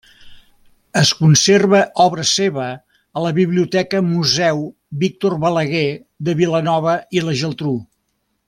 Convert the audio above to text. Es conserva obra seva a la Biblioteca Museu Víctor Balaguer de Vilanova i la Geltrú.